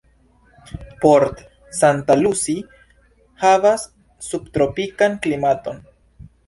Port St. Lucie havas subtropikan klimaton.